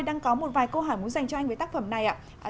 đang có một vài câu hỏi muốn dành cho anh với tác phẩm này ạ